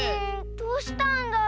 どうしたんだろう。